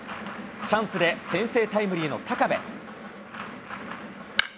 チャンスで先制タイムリーの高部。